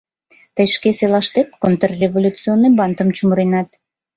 — Тый шке селаштет контрреволюционный бандым чумыренат.